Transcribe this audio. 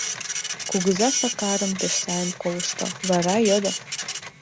Кугыза Сакарым пеш сайын колышто, вара йодо: